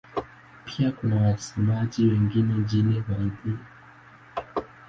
Pia kuna wasemaji wengine nchini Uhindi.